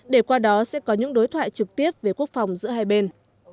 để qua đó sẽ có những đối thoại trực tiếp về quốc phòng giữa hai bên